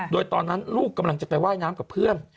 โดยตอนนั้นลูกกำลังจะไปว่ายน้ำกับเพื่อน